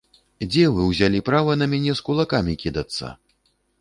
Дзе вы ўзялі права на мяне з кулакамі кідацца?